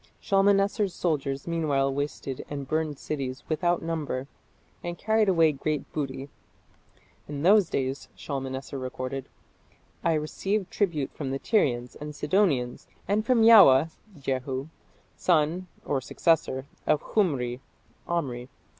Shalmaneser's soldiers meanwhile wasted and burned cities without number, and carried away great booty. "In those days", Shalmaneser recorded, "I received tribute from the Tyrians and Sidonians and from Yaua (Jehu) son (successor) of Khumri (Omri)."